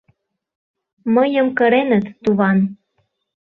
— Мыйым кыреныт, туван!..